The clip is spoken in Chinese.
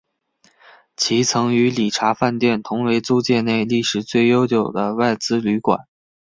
其曾与礼查饭店同为租界内历史最悠久的外资旅馆。